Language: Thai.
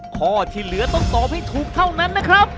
ข้อที่เหลือต้องตอบให้ถูกเท่านั้นนะครับ